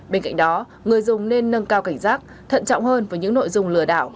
bên cạnh đó người dùng nên nâng cao cảnh giác thận trọng hơn với những nội dung lừa đảo